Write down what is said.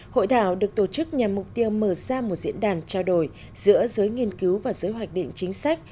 hội thảo được tổ chức nhằm mục tiêu mở ra một diễn đàn trao đổi giữa giới nghiên cứu và giới hoạch định chính sách